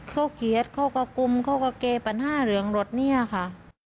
เขาเคียดกลับกลุ่มเขากระเกียรติอ้านห้าเหลืองรถนี่ค่ะ